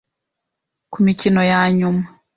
ku mikino ya nyuma